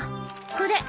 これ。